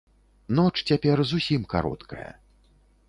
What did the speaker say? Ноч цяпер зусім кароткая.